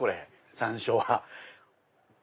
山椒は。